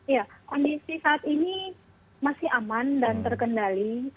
ya kondisi saat ini masih aman dan terkendali